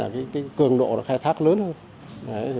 cường độ khai thác lớn hơn